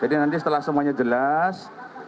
jadi nanti setelah semuanya jelas